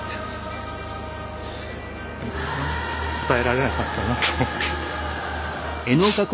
応えられなかったなと思って。